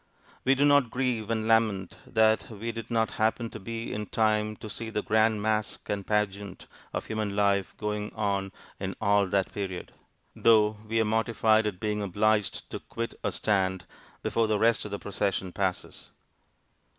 We do not grieve and lament that we did not happen to be in time to see the grand mask and pageant of human life going on in all that period; though we are mortified at being obliged to quit our stand before the rest of the procession passes.